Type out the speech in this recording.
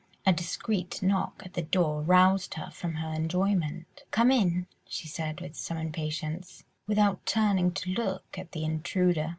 A discreet knock at the door roused her from her enjoyment. "Come in," she said with some impatience, without turning to look at the intruder.